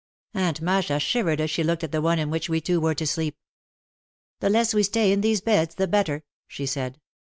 Aunt Masha shivered as she looked at the one in which we two were to sleep. "The less we stay in these beds the better," she said.